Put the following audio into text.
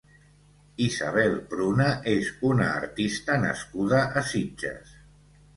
Isabel Pruna és una artista nascuda a Sitges.